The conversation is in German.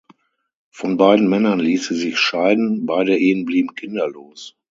Von beiden Männern ließ sie sich scheiden, beide Ehen blieben kinderlos.